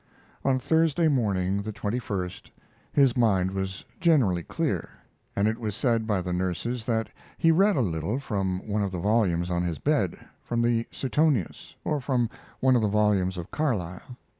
] On Thursday morning, the 21st, his mind was generally clear, and it was said by the nurses that he read a little from one of the volumes on his bed, from the Suetonius, or from one of the volumes of Carlyle.